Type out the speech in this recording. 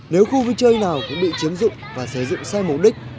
nếu khu vui chơi nào cũng bị chiếm dụng và xây dựng sai mục đích